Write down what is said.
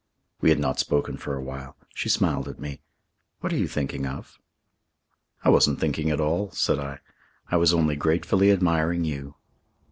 We had not spoken for a while. She smiled at me. "What are you thinking of?" "I wasn't thinking at all," said I. "I was only gratefully admiring you."